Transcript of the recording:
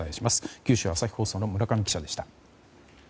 九州朝日放送の村上記者でした。